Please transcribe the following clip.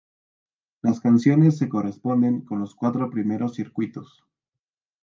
Las canciones se corresponden con los cuatro primeros circuitos.